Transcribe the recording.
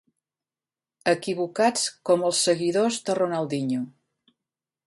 Equivocats com els seguidors de Ronaldinho.